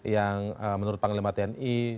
yang menurut panglima tni